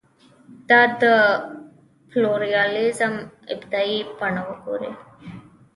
دا د پلورالېزم ابتدايي بڼه وګڼو.